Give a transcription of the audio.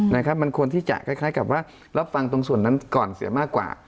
นะครับมันควรที่จะคล้ายกับว่ารับฟังตรงส่วนนั้นก่อนเสียมากกว่า